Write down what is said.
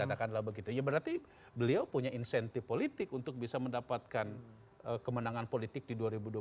berarti beliau punya insentif politik untuk bisa mendapatkan kemenangan politik di dua ribu dua puluh